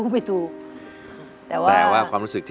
มีหวังก็คือ